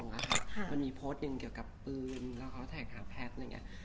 ค่ะมันมีโพสต์อย่างเกี่ยวกับปืนแล้วเขาอยากหาแพทย์อย่างเงี้ย